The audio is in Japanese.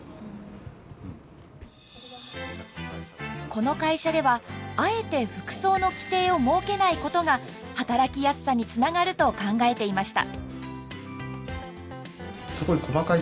この会社ではあえて服装の規定を設けないことが働きやすさにつながると考えていました。